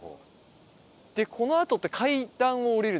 でこのあとって階段を下りるでしたっけ？